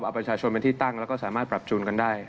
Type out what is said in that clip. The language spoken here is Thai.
เอาประชาชนเป็นที่ตั้งแล้วก็สามารถปรับจูนกันได้